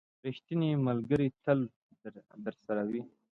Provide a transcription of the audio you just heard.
• ریښتینی ملګری تل درسره وي.